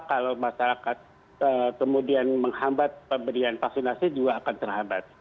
kalau masyarakat kemudian menghambat pemberian vaksinasi juga akan terhambat